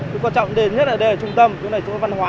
cái quan trọng nhất là đây là trung tâm chỗ này là chỗ văn hóa